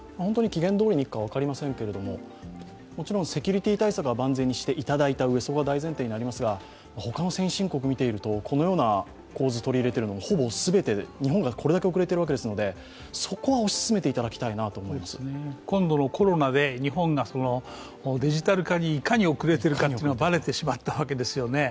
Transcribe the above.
期限どおりにいくか分かりませんけども、セキュリティー対策は万全にしていただいたうえ、そこは大前提になりますが他の先進国を見ているとこのような構図、取り入れているのはほぼ全て、日本がこれだけ遅れているので、それは進めてもらいたい今度のコロナで日本がデジタル化にいかに遅れているかがバレてしまったわけですよね。